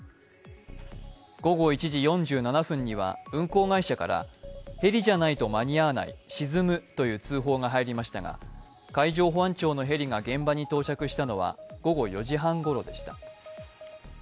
午後１時４７分には運航会社からヘリじゃないと間に合わない、沈むという通報が入りましたが海上保安庁のヘリが現場に到着したのは午後４時半ごろでした。